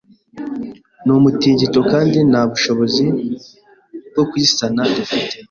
n’umutingito kandi nta bushobozi bwo kuyisana dufite